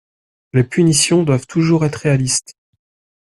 Les punitions doivent toujours être réalistes.